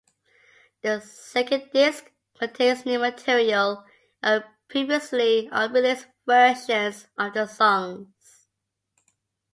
The second disc contains new material and previously unreleased versions of the songs.